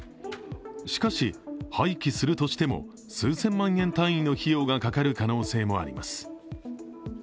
しかし、廃棄するとしても数千万円単位の費用がかかる可能性もあります。